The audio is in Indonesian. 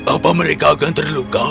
apa mereka akan terluka